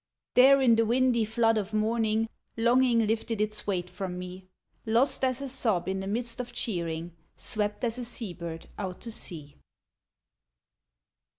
There in the windy flood of morning Longing lifted its weight from me, Lost as a sob in the midst of cheering, Swept as a sea bird out to sea.